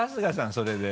それで。